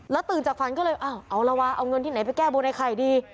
ตื่นจากฝันก็เลยเอาละวะเอาเงินที่ไหนไปแก้บนไอ้ไข่ดี